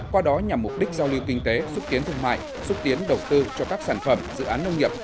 qua đó nhằm mục đích giao lưu kinh tế xúc tiến thương mại xúc tiến đầu tư cho các sản phẩm dự án nông nghiệp